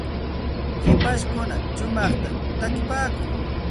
hipashkuna shumaqta takipaakun.